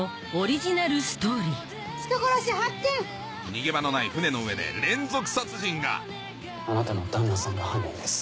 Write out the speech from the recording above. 逃げ場のない船の上で連続殺人があなたの旦那さんが犯人です。